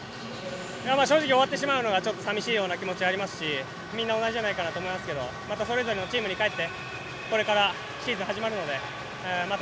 正直終わってしまうのがちょっと寂しいような気持ちがありますしみんな同じじゃないかと思いますけどまたそれぞれのチームに帰ってこれからシーズンが始まるのでまた